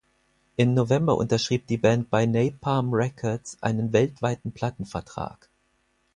Im November unterschrieb die Band bei Napalm Records einen weltweiten Plattenvertrag.